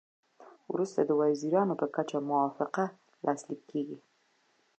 وروسته د وزیرانو په کچه موافقه لاسلیک کیږي